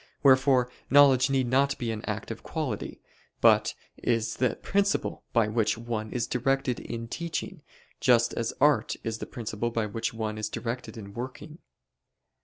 Wherefore knowledge need not be an active quality: but is the principle by which one is directed in teaching, just as art is the principle by which one is directed in working.